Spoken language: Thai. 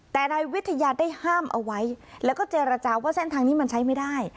แต่นายวิทยาได้ห้ามเอาไว้แล้วก็เจรจาว่าเส้นทางนี้มันใช้ไม่ได้